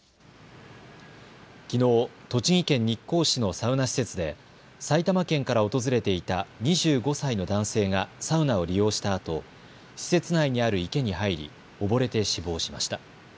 きのう栃木県日光市のサウナ施設で埼玉県から訪れていた２５歳の男性がサウナを利用したあと施設内にある池に入り溺れて死亡しました。